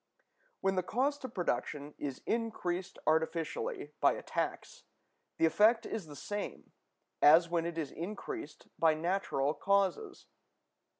When the cost of production is increased artificially by a tax, the effect is the same as when it is increased by natural causes.